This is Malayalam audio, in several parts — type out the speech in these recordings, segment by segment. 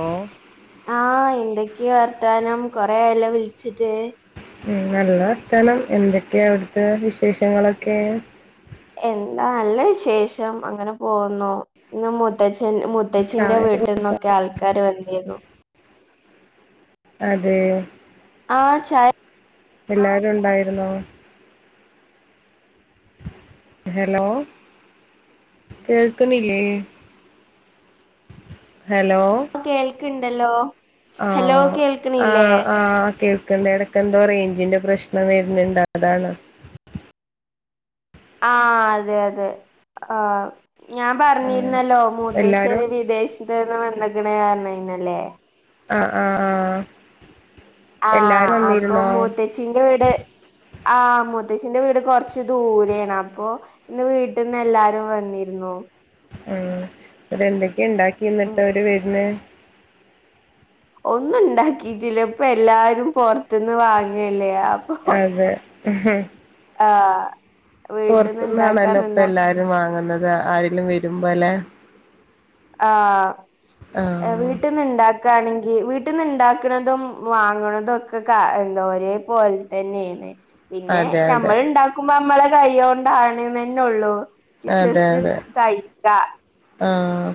ഓഹ് ആഹ് എന്തൊക്കെ വർത്താനം കൊറേയലോ വിളിച്ചിട്ട്. ഉം നല്ല വർത്താനം എന്തൊക്കെയാ അവിടുത്തെ വിശേഷങ്ങളൊക്കെ? എന്താ നല്ല വിശേഷം അങ്ങനെ പോവുന്നു ഇന്ന് മുത്തശ്ശൻ മു മുത്തശ്ശിന്റെ ചായ കുടിച്ചോ വീട്ടിന്നൊക്കെ ആൾക്കാര് വന്നീന്നു. അതേ ആ ചായ എല്ലാരുണ്ടായിരുന്നോ? ഹെലോ കേൾക്കുന്നില്ലേ? ഹെലോ കേൾക്ക്ണ്ടല്ലോ. ഹലോ ആഹ് ആ കേൾക്ക്ണില്ലേ ആ കേൾക്ക്ണ്ടെട എട എന്തോ റേഞ്ചിന്റെ പ്രശ്നം വരുന്നുണ്ട് അതാണ് ആഹ് അതെ അതെ ആഹ് ഞാൻ ഉം പറഞ്ഞിരുന്നല്ലോ എല്ലാരും മൂത്തേച്ചിന് വിദേശത്ത നിന്ന് വന്നെക്ക്‌നീന്ന് പറഞ്ഞിരുന്നില്ലേ ആഹ് ആഹ് ആഹ് എല്ലാരും വന്നിരുന്നോ ചിന്റ വീട് ആഹ് മൂത്തേച്ചിന്റെ വീട് കൊറച്ച് ദൂരെയാണ് അപ്പൊ ഇന്ന് വീട്ടിന്ന് എല്ലാരും വന്നിരുന്നു ആ എന്തൊക്കെയുണ്ടാക്കി ഉം എന്നിട്ട് അവര് വരുന്ന ഒന്നുണ്ടാക്കിട്ടില്ല ഇപ്പോ എല്ലാരും പുറത്തുന്ന് വാങ്ങല്ലേ അതെ മ്ഹ് ആഹ് വീട്ടിൽന്ന് ഇണ്ടാക്കാൻ പുറത്തന്നാണല്ലോ ഇപ്പ നിന്നാ എല്ലാരും വാങ്ങുന്നത് ആരെങ്കലും വരുമ്പോ അല്ലെ ആഹ് ആഹ് വീട്ടിൽന്ന് ഇണ്ടാ ക്ക ആണെങ്കിൽ വീട്ടിൽന്ന് ഉണ്ടാക്കുന്നതും വാങ്ങണതും ഒക്കെ കാ എന്താ ഓരേ പോലെ തന്നെ എ പിന്നെ അതെ അതെ നമ്മൾണ്ടാക്കുമ്പോ നമ്മളെ കൈ കൊണ്ടാണന്നന്നെള്ളു അതെ അതെ ആഹ്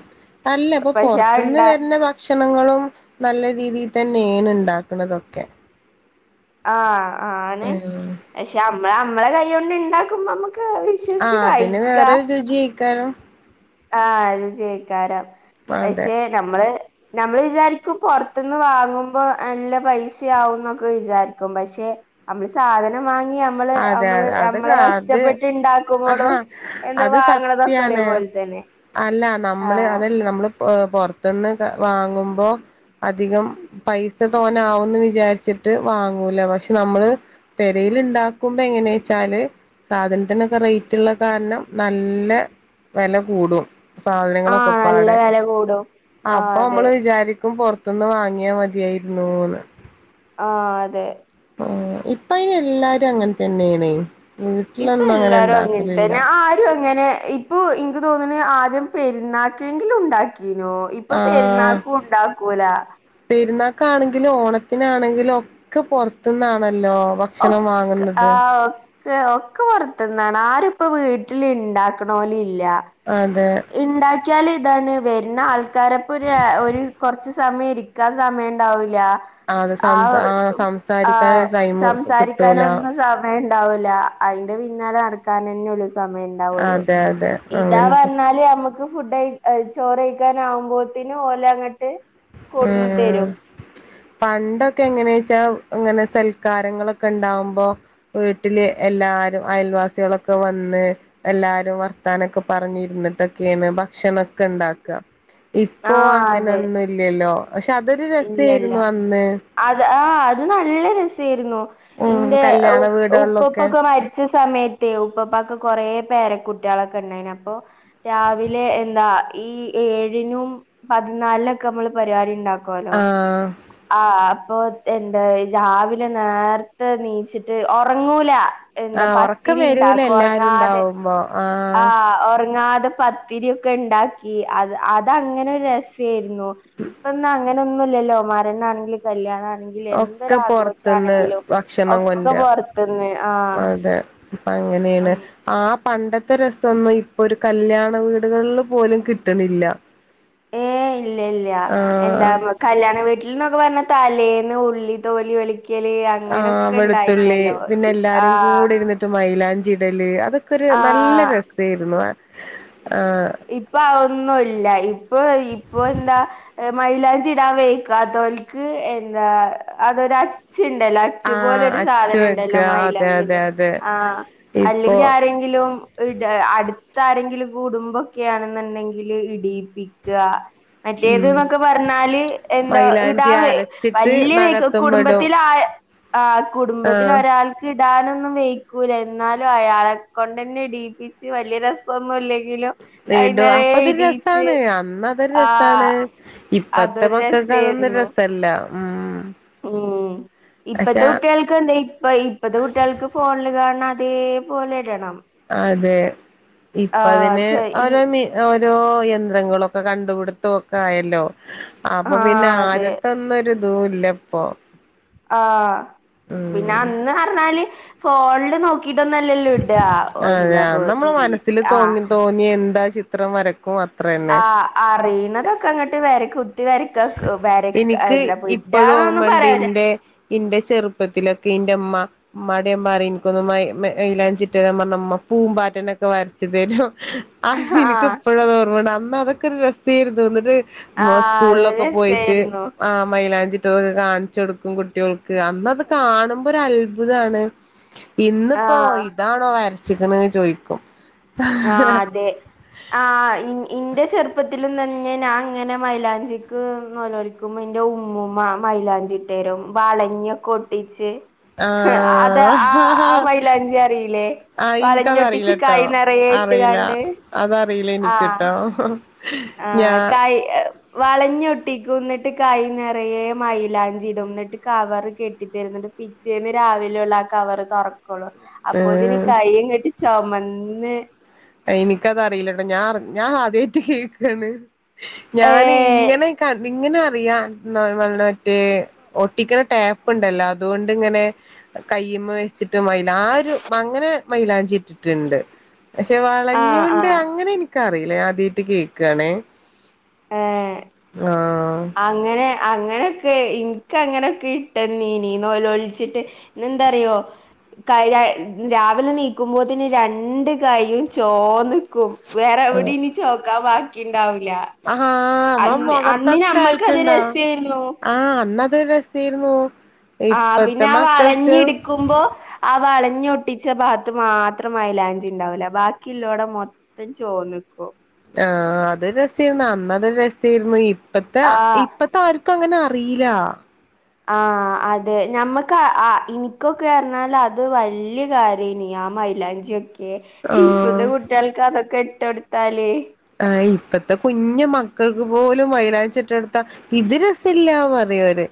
അല്ല ഇപ്പൊ പക്ഷെ ആ പൊറത്തന്ന് ഇണ്ടാ വരണ ഭക്ഷണങ്ങളും നല്ല രീതിയിൽ തന്നെയെണ് ഇണ്ടാക്കുണന്തൊക്കെ ആഹ് ആണ് ഉം പക്ഷെ നമ്മള നമ്മളെ കൈകൊണ്ട് ഇണ്ടാക്കുമ്പോ നമ്മുക്ക് ഇഷ് ആഹ് അതിന് വേറെ രുചിയായിക്കാണും ആഹ് രുചിയായിക്കാണും അതെ പക്ഷെ നമ്മള് നമ്മള് വിചാരിക്കും പുറത്തന്ന് വാങ്ങുമ്പോ നല്ല പൈസയാകുന്നൊക്കെ വിചാരിക്കും പക്ഷെ നമ്മള് സാധനം വാങ്ങിയ നമ്മള് അതെ നമ്മള് അതെ നമ്മളെ അത് അത് കഷ്ടപ്പെട്ട് ഉണ്ടാക്കുമ്പോഴും ആഹാ എന്തൊക്ക അത് വാങ്ങണതൊക്കെ സത്യാണ് ഒരേപോലെ തന്നെ അല്ല നമ്മള് ആഹ് അതല്ല നമ്മള് പൊ- പുറത്തുന്ന് വാങ്ങുമ്പോ അധികം പൈസ തോന ആവൂന്ന് വിചാരിച്ചിട്ട് വാങ്ങൂല പക്ഷെ നമ്മള് പെരേയിലുണ്ടാ ക്കുമ്പോ എങ്ങനെന്നവെച്ചാല് സാധനത്തിനൊക്കെ റേറ്റ് ഉള്ള കാരണം നല്ല വില കൂടും ആഹ് നല്ല സാധനങ്ങളൊക്കെപ്പാടെ വില കൂടും ആഹ് അപ്പൊ അതെ നമ്മള് വിചാരിക്കും പുറത്ത് ത്തന്ന് വാങ്ങിയാൽ മതിയായിരുന്നുന്ന് ആഹ് അതെ ആ ഇപ്പ അയിന് എല്ലാരും അങ്ങനെ തന്നെയാണ് ഇപ്പൊ വീട്ടിലൊന്നും എല്ലാരും അങ്ങനെ ഉണ്ടാക്കലില്ല തന്നെ ആരും അങ്ങനെ ഇ ഇപ്പൊ എനിക്ക് തോന്നണ ആദ്യം പെരുന്നാക്കെങ്കിലും ഉണ്ടാക്കീനോ ഇപ്പൊ ആഹ് പെരുന്നാക്കും ഉണ്ടാക്കൂല പെരുന്നാക്കാണെങ്കിലും ഓണത്തിനാണെങ്കിലും ഒക്കെ പൊറത്തുന്നാണല്ലോ വ ഒ ക്ക ആഹ് ക്ക് ഒക്കെ പുറത്തുനിന്നാണ് ആരിപ്പോ വീട്ടിൽ ഇണ്ടാക്കണോല ഇല്ല അതെ ഇണ്ടാക്കിയാൽ ഇതാണ് വരണ ആൾക്കാര് ഇപ്പൊ ഒരു ഒരു കുറച്ച് സമയം ഇരി ക്ക സമയ ഉണ്ടാവൂലാ അത് സംസ ആഹ് സംസാരിക്കാൻ ആഹ് ഒരു ടൈം കിട്ടൂല സംസാരിക്കാനൊന്നും സമയ സമയമുണ്ടാവൂല അതിന്റെ പിന്നാലെ നടക്കാൻ തന്നെ ഉള്ളൂ സമയമ ഉണ്ടാവുള്ളൂ അതെ അതെ ഇതാ പറഞ്ഞെ അങ്ങനത്തെ എന്നാല് നമ്മുക്ക് ഫുഡ് ചോറ്ഴിക്കാന ആകുമ്പോത്തിനും ഓല അങ്ങോട്ട് ആഹ് ആഹ് ആഹ് പണ്ടൊക്കെ എങ്ങനെയച്ചാ ഇങ്ങനെ സൽക്കാരങ്ങളൊക്കെ ഉണ്ടാവുമ്പോ വീട്ടില് എല്ലാരും അയൽവാസികളൊക്കെ വന്ന് എല്ലാരും വർത്താനൊക്കെ പറഞ്ഞിരുന്നിട്ടൊക്കെയാണ് ഭക്ഷണംഒക്കെ ഉണ്ടാക്കുക ഇപ്പോ ആഹ് അങ്ങനെ അതെ ഒന്നുംല്ലല്ലോ പക്ഷെ അതൊരു ഇല്ല ഇല്ല രസായിരുന്നു അന്ന് അത് ആഹ് അത് നല്ല രസായിരുന്നു ഉം ഇന്റെ ഉ കല്യാണ വീടുകളിലൊക്കെ ഉപ്പൊപ്പൊക്കെ മരി രിച്ച സമയത്തെ ഉപ്പപ്പാക്ക് കൊറേ പേരെ കുട്ടികളൊക്കെ ഉണ്ടായിന് അപ്പൊ രാവിലെ എന്താ ഈ ഏഴിനും പതിനാലിനൊക്കെ നമ്മള് പരിപാടി ഉണ്ടാകും ക്കൊലോ ആഹ് ആ ഹ്അപ്പൊ തെന്താ രാവിലെ നേരത്തെ നീച്ചിട്ട് ഒറങ്ങൂല. എന്താ ആഹ് ഉറക്കം വരൂല പത്തിരിണ്ടാക്കു എല്ലാരും ഒറങ്ങാതെ ഉണ്ടാവുമ്പോ ആഹ് ആ ഉറങ്ങാതെ പ പത്തിരിയൊക്കെണ്ടാക്കി അത് അതങ്ങനൊരു രസേര്ന്നു ഇപ്പൊ അങ്ങനൊന്നൂല്ലല്ലോ മരണാണെങ്കിലു കല്യാണാണെ ഒക്കെ പൊറത്തുന്ന് എന്തൊരാഘോഷണെങ്കിലും ഭക്ഷണം ഒക്കെ പുറത്ത്ന്ന് ആഹ് പ്പ അങ്ങനേണ് ആ പണ്ടത്തെ രസൊന്നും ഇപ്പൊ ഒരു കല്യാണ വീടുകളില് പോലും കിട്ട്ണില്ല. ഏഹ് ഇല്ല ഇല്ല എന്താ ആഹ് കല്യാണ വീട്ടിൽന്നൊക്കെ പറഞ്ഞാ തലേന്ന് ഉള്ളി തോലൊളിക് ആ വെളുത്തുള്ളി പിന്നെല്ലാരും ആഹ് കൂടെ ഇരുന്ന് ന്ന്ട്ട് മൈലാഞ്ചിടല് അതൊക്കെ ഒരു നല്ല ആഹ് രസേരുന്നു ആ ആ ഇപ്പൊ അ ഒന്നുല്ല ഇപ്പൊ ഇപ്പൊ ന്താ എഹ് മൈലാഞ്ചിടാ വെയ്ക്കാത്തോൽക്ക് എന്താ അതൊരു അച്ച്ചണ്ടലോ അച് ച്ച് ആഹ് പോലൊരു അച്ച് വെക്ക സാതനണ്ടലോ അതെ അതെ മൈലാഞ്ചിടെ അതെ ആ ഇപ്പൊ അല്ലെങ്കാരേ കിലും ഇടാ അടുത്താരെങ്കിലും കൂടുമ്പോ ക്കെയാണെന്നുണ്ടെങ്കില് ഇടീപ്പിക്ക മറ്റേത്ന്നൊക്കെ പറഞ്ഞാല് എന്താ ഇടാ മൈലാഞ്ചി വെ അരച്ചിട്ട് വല്യേ നഖത്തുമ്മെ ഇടും കുടുംബത്തില ആ ആ ആഹ് കുടുംബത്തിലൊരാൾ ഇടാനൊന്നും വെയക്കൂല ന്നാലും അയാളെക്കൊണ്ടന്നെടീപി ച് വല്യേ രസൊന്നുല്ലെങ്കിലൊ ഇടു അപ്പൊതൊരു രസാണ് അന്ന് അതൊരു രസാണ് ആഹ് അതൊരു ഇപ്പത്തെമക്കക്ക് അതൊന്ന് രസായിരുന്നു രസ സല്ല ഉം ഉം പക്ഷെ ഇപ്പത്തെ കുട്ട്യേൾ ന്ത ഇപ്പ ഇപ്പത്തെ കുട്ട്യേൾക്ക് ഫോണില് കാണണതേപോലെ ഇടണം. അതെ ആഹ് ഇപ്പതിന് ചെ ഇൻ ഓരോ മി ഓരോ യന്ത്രങ്ങളൊക്കെ കണ്ടുപിടുത്തൊക്കായല്ലോ ആഹ് അപ്പൊ പിന്നെ ആദ്യത്തൊന്നുരിതൂല്ലപ്പൊ ആഹ് പിന്നെ അന്ന് പറഞ്ഞാല് ഫോണില് നോക്കി ഇതൊന്നല്ലല്ലോ ഇടാ ഒ അതെ എന്താപ്പൊ നമ്മളെ മനസ്സിൽ ആഹ് തോന്നി എന്താ ചിത്രം വരക്കും അത്ര തന്നെ ആ അറിയണതൊക്കെങ്ങട്ട് വര കുത്തി വരക്ക കു വരക എനിക്ക് ന്താപൊയ് ഞാന്നൊന്നു പറയല ന്റെ ചെറുപ്പത്തിലൊക്കെ ന്റെമ്മ മ്മാട് ഞാൻ പറിം എൻക്കൊന്നു മൈ മൈലാഞ്ചിട്ടെരാൻ പറഞ്ഞ മ്മ പൂമ്പാറ്റനൊക്കെ വരച്ച് തെരും. അഹ് എനിക്ക് ആഹ് ഇപ്പഴും അതോർമണ്ട് അന്നതൊക്കൊരു രസേര്ന്നു എന്ന്ട്ട് ആഹ് മോ അത് സ്കൂളിലൊക്കെ പോയിട്ട് രസായിരുന്നു ആ മൈലാഞ്ചി ട്ടോന്ന് കാണിച്ചോട്ക്കും കുട്ട്യോൾക്ക് അന്നത് കാണുമ്പോ ഒരു അത്ഭുതാണ് ഇന്ന് ആഹ് താണോ വരച്ച്ക്ക്ണ് ചോയ്ക്കും. ആഹ് അതെ. ആഹ് ഇ ഇന്റെ ചെറുപ്പത്തിലും തന്നെ ഞാൻ ഇങ്ങനെ മൈലാഞ്ചിക്ക് നൊലോ കുമ്പോ ന്റെ ഉമ്മൂമ്മ മൈലാഞ്ചിട്ടരും വളഞ്ഞിയൊക്കെ ഒട്ടിച്ച്. ആ ആഹ് അത് ആഹ് ആഹ് മൈലാഞ്ചി അറീലേ ആഹ് വളഞ്ഞൊട്ടിച്ച് കയ് നെറയെ ഇട്ടുകാണ്ട്. അതറീലനിക്ക് ട്ടോ. ആഹ് കയ് വളഞ്ഞൊട്ടിക്കുന്ന്ട്ട് കൈ നിറയെ മൈലാഞ്ചിടുന്ന്ട്ട് കവർ കെട്ടി തരും ന്ന്ട്ട് പി പിറ്റേന്ന് രാവിലൊള്ളു ആ കവറ് തൊറക്കൊള്ളൂ അപ്പൊതിനി ഏഹ് കയ്യ്ങ്ങട്ട് ചൊമന്ന്. എനിക്കത്റിയില്ലട്ടോ ഞാൻ ഞാൻ ആദ്യായിട്ട് കേക്കാണ് ഞാനേ ഏഹ് ഇങ്ങനെക്കാ ഇങ്ങനെ അറിയാ ന്നാ മറ്റേ ഒട്ടിക്ക്‌ണ ടേപ്പ്ണ്ടല്ലോ അതുകൊണ്ടിങ്ങനെ കയ്യ്മ്മ വെച്ചിട്ട് മൈലാ ആരും അങ്ങനെ മൈലാഞ്ചി ഇട്ടിട്ടുണ്ട് പക്ഷെ ആഹ് വളഞ്ഞിയോണ്ട് ആഹ് അങ്ങനെ ഇൻക്കറിയില്ല ആദ്യമായിട്ട് കേക്കാണ് ഏ ആഹ് അങ്ങനെ അങ്ങനെയൊക്കെ ഇൻക്കങ്ങനെയൊക്കെ ഇട്ടന്നീനീ നോലോൾച്ചിട്ട് പിന്നെന്താറിയോ കയ്യ രാവിലെ നീക്കുമ്പോത്തിന് രണ്ട് കയ്യും ചോന്ന് ക്കും വേറെ എവടിനി ചോക്കാൻ ബാക്കിണ്ടാവൂല ആഹ് നമ്മളെ അന്ന് അന്ന് മൊഖത്തൊക്കെ ഞമ്മക്കത് ആയിട്ടുണ്ടാവും രസേര്ന്നു ആഹ് അന്നതൊരു രസേയിര്ന്നു ആ പിന്നാ വളഞ്ഞിടിക്കും ക്കുമ്പോ ആ വളഞ്ഞിയൊട്ടിച്ച ഭാഗത്ത് മാത്രം മയിലാഞ്ചിണ്ടാവൂല ബാക്കില്ലോടം മൊത്തം ത്തം ചോന്ന്ക്കും ആ അത് രസേയിരുന്നു അന്നത് രസേയിരുന്നു ഇപ്പത്തെ ആ ഇപ്പ ആർക്കും അങ്ങനെ അറീല ആ അതെ ഞമ്മക്ക് ആ ഇനിക്കൊക്കെർഞ്ഞാൽ അത് വല്യ കാര്യേനി ആ മൈ ല്ലാഞ്ചിയൊക്കെ ഇപ്പത്തെ ആഹ് കുട്ട്യാൾക്ക് അതൊക്കെ ഇട്ടൊട്ത്താല് ആ ഇപ്പത്തെ കുഞ്ഞു മക്കൾക്ക് പോലും മൈലാഞ്ചിട്ടൊട്ത്ത ഇത് രസീല്ല പറിയോര്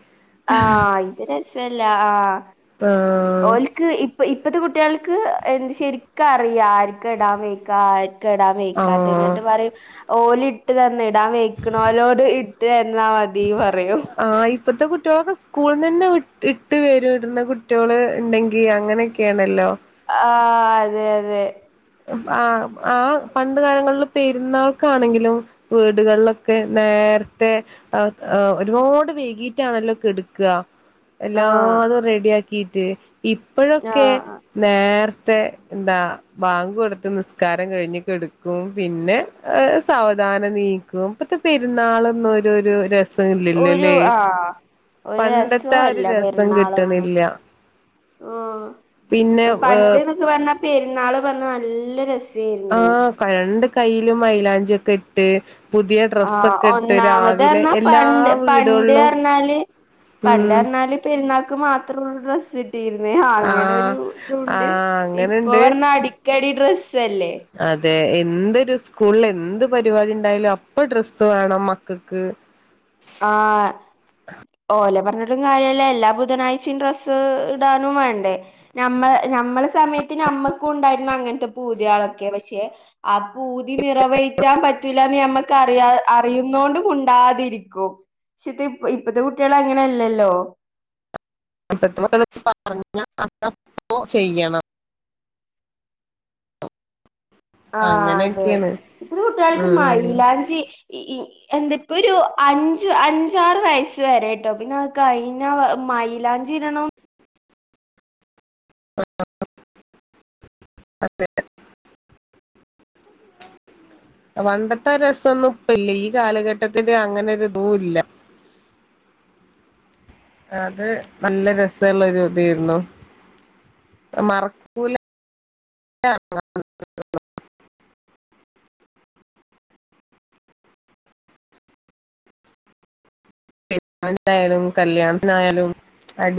ആഹ് ഇത് രസല്ല ആഹ് ആഹ് ഓൽക്ക് ഇപ്പ ഇപ്പത്തെ കുട്ട്യാൾക്ക് എന്ത് ശരിക്കും അറിയാ ആർക്കിടാൻ വെയ്ക്കാ ആ ഇടാൻ വെയ്ക്കാത്ത ആഹ് ന്നിട്ട് പറയും ഓലിട്ട് തന്ന ഇടാൻ വെയ്ക്ക്‌ണോലോട് ഇ ട്ടെരണം ആഹ് ഇപ് പ്പത്തെ കുട്ട്യാളൊക്കെ സ്കൂള്ന്നെന്നെ ഇട്ട് വരും ഇട്ണ കുട്ട്യാള്ണ്ടെങ്കി അങ്ങനെയൊക്കേണല്ലോ ആഹ് അതെ അതെ ആഹ് ആഹ് പണ്ട്‌ കാലങ്ങളില് പെരുന്നാൾക്കാണെങ്കിലും വീടുകളിലൊക്കെ നേരത്തെ ഒരുപാട് വൈകീറ്റാണല്ലോ കെട്ക്ക ആഹ് എല്ലാതും റെഡി ആക്കീട്ട് ഇപ്പഴൊക്കെ ആഹ് നേർത്തെ ന്താ ബാങ്കൊട്ത്ത് നിസ്കാരം കഴിഞ്ഞു കെടുക്കും പിന്നെ സാവധാനം നീ ക്കും പ്പത്തെ പെരുന്നാളൊന്നും ഒരുരു രസ രസം ഒരു ഇല്ലല്ലോല്ലേ ആഹ് ഒരു പണ്ടത്തെ ഒരു രസം കിട്ട്ണില്ല ഉം ഏഹ് പണ്ട്ന്ന്ക്കെ പറഞ്ഞ പെരുന്നാള് പറഞ്ഞ നല്ല രസേയ്രുന്നു പ രണ്ട് കൈയ്യിലും മൈലാഞ്ചിയൊക്കെ ഇട്ട് പുതിയ ആഹ് ഡ്രസ്സൊക്കെ ഇട്ട് രാവിലെ ഒന്നാമതർന്ന എല്ലാ പണ്ട് വീടുകളിലും പണ്ട്ർന്നാല് ഉം പണ്ടർന്നാല് പെരുന്നാക്ക് മാത്രൊള്ളൂ ഡ്രസ് കിട്ടീർന്നേ ആഹ് അങ്ങനെരു തൂണ്ട് ആഹ് ഇപ്പൊ അങ്ങനെണ്ട് പറഞ്ഞ അടിക്കടി ഡ്രസ്സല്ലേ അതെ എന്തൊരു സ്കൂളിലെന്ത് പരിപാടി ണ്ടായാലും അപ്പൊ ഡ്രസ്സ് വേണം മക്ക്ക് ആഹ് ഓലെ പർന്നിട്ടും കാര്യല്ല എല്ലാ ബുധനാഴ്ചയും ഡ്രസ്സ് ഇടാനും വേണ്ടേ നമ്മൾ നമ്മളെ സമയത്ത് ഞമ്മക്കൂണ്ടായിര്ന്നങ്ങൻത്തെ പൂതിയാളൊക്കെ പക്ഷെ ആ പൂതി നിറവേറ്റാൻ പറ്റൂല്ലാന്ന് ഞമ്മക്ക് അറിയ അറിയുന്നോണ്ട്‌ മുണ്ടാതിരിക്കും ക്ഷത്തെ ഇപ് ഇപ്പത്തെ കുട്ട്യാള് അങ്ങനല്ലല്ലോ [unintelligible] ചെയ്യണം ആഹ് അതെ അങ്ങനെയൊക്കെയാണ് ഇപ്പ കുട്ടികൾക്ക് ഉം മൈയിലാഞ്ചി ഈ എന്താപ്പൊരു ഒരു അഞ്ച് അഞ്ചാറ് വയസ്സ് വരെട്ടോ പിന്നെആഗ് കയിഞ്ഞ മൈലാഞ്ചിടണോ. [unintelligible] അതെ പണ്ടത്തെ രസൊന്നുംപ്പല്ല ഈ കാലഘട്ടത്തിന്റെ അങ്ങനെ ഒരു ഇതും ഇല്ല. അത് നല്ല രസുള്ള ഒരു ഇതേരുന്നു. മറക്കൂല [unintelligible] എമെന്റാലും കല്യാൺത്നായാലും